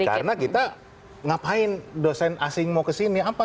karena kita ngapain dosen asing mau ke sini